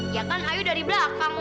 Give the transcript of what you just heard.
ya kan ayu dari belakang